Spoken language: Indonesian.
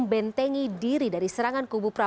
bukan narasi yang menakut nakuti